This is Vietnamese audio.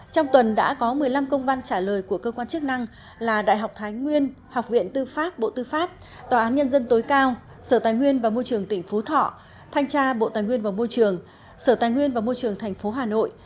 trong tuần đã có một mươi năm công văn trả lời của cơ quan chức năng là đại học thái nguyên học viện tư pháp bộ tư pháp tòa án nhân dân tối cao sở tài nguyên và môi trường tỉnh phú thọ thanh tra bộ tài nguyên và môi trường sở tài nguyên và môi trường tp hà nội